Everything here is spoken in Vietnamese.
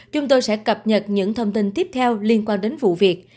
chúng tôi sẽ cập nhật những thông tin tiếp theo liên quan đến vụ việc